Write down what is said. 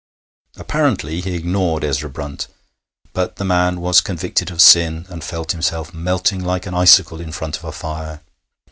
Apparently he ignored Ezra Brunt, but the man was convicted of sin, and felt himself melting like an icicle in front of a fire.